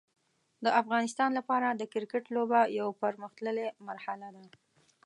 د افغانستان لپاره د کرکټ لوبه یو پرمختللی مرحله ده.